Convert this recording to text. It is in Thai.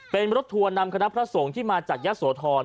เป็นรถทัวร์นำคณะพระสงฆ์ที่มาจากยะโสธร